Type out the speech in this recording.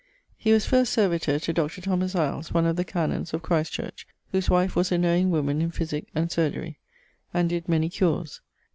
He was first servitor to Dr. Iles, one of the canons of Xᵗ. Ch. whose wife was a knowing woman in physique and surgery, and did many cures.